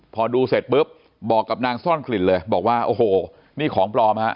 พอดูเสร็จปุ๊บบอกกับนางซ่อนกลิ่นเลยบอกว่าโอ้โหนี่ของปลอมฮะ